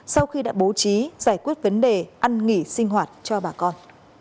sau khi đã bố trí giải quyết vấn đề ăn nghỉ sinh hoạt cho bà con